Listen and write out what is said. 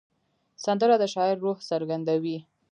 سندره د شاعر روح څرګندوي